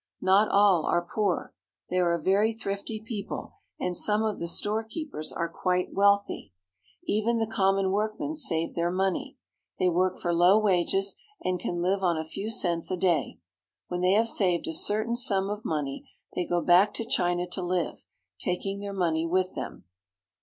Not all are poor. They are a very thrifty people, and some of the storekeepers are quite 2/8 THE PACIFIC NORTHWEST. wealthy. Even the common workmen save their money. They work for low wages, and can live on a few cents a day. When they have saved a certain sum of money they go back to China to live, taking their money with them.